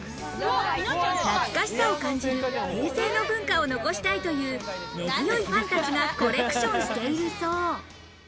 懐かしさを感じる平成の文化を残したいという根強いファンたちがコレクションしているそう。